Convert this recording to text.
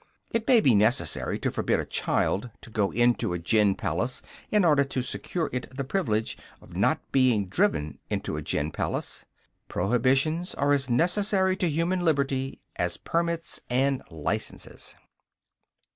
It may be necessary to forbid a child to go into a gin palace in order to secure it the privilege of not being driven into a gin palace. Prohibitions are as necessary to human liberty as permits and licences.